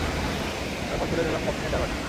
তারপর তুলে ধরলাম কফিনের ডালাটা।